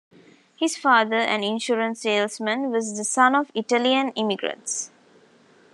His father, an insurance salesman, was the son of Italian immigrants.